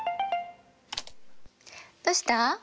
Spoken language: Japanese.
どうした？